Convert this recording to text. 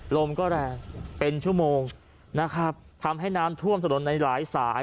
ลมก็แรงเป็นชั่วโมงนะครับทำให้น้ำท่วมถนนในหลายสาย